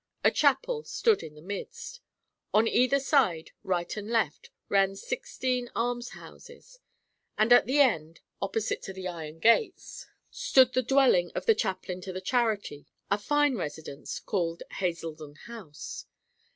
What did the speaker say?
A chapel stood in the midst. On either side, right and left, ran sixteen almshouses, and at the end, opposite to the iron gates, stood the dwelling of the chaplain to the charity, a fine residence, called Hazeldon House.